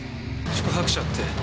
宿泊者って。